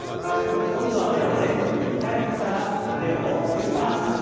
今度は腕を前後に２回振ったら腕を大きく回します。